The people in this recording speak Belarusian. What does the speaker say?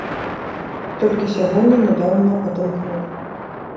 Толькі сягоння нядаўна адамкнула.